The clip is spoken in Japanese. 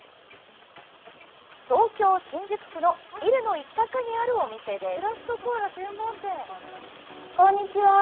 東京・新宿区のビルの一画にあるお店です。